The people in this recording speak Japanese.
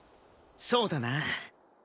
そうだな。